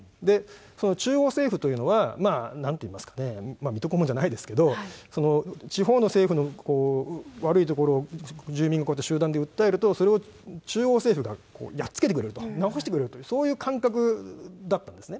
その中央政府というのは、なんて言いますかね、水戸黄門じゃないですけど、地方の政府の悪いところを住民が集団で訴えると、それを中央政府がやっつけてくれると、なおしてくれると、そういう感覚だったんですね。